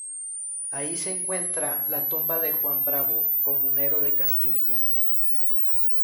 Allí se encuentra la tumba de Juan Bravo, comunero de Castilla.